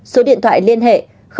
số điện thoại liên hệ